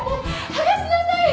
剥がしなさい！